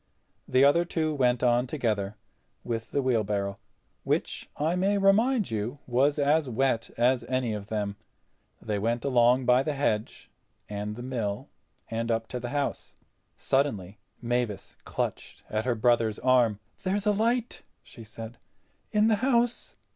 The other two went on together—with the wheelbarrow, which, I may remind you, was as wet as any of them. They went along by the hedge and the mill and up to the house. Suddenly Mavis clutched at her brother's arm. "There's a light," she said, "in the house."